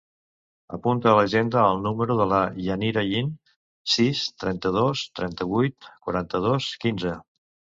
Apunta a l'agenda el número de la Yanira Yin: sis, trenta-dos, trenta-vuit, quaranta-dos, quinze.